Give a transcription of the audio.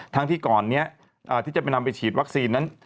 ทั้งที่ก่อนนี้ที่จะไปนำไปฉีดวัคซีนนั้น